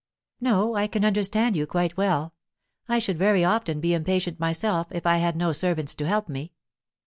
"No; I can understand you quite well. I should very often be impatient myself if I had no servants to help me."